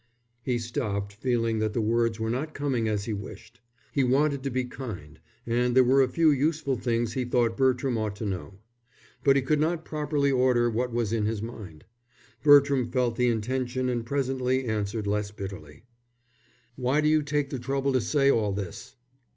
He stopped, feeling that the words were not coming as he wished. He wanted to be kind, and there were a few useful things he thought Bertram ought to know. But he could not properly order what was in his mind. Bertram felt the intention and presently answered less bitterly: "Why do you take the trouble to say all this?"